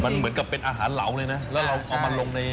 มันเหมือนกับเป็นอาหารเหลาเลยนะ